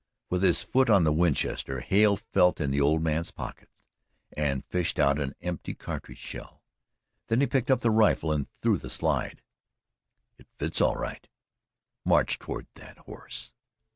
With his foot on the Winchester, Hale felt in the old man's pockets and fished out an empty cartridge shell. Then he picked up the rifle and threw the slide. "It fits all right. March toward that horse!"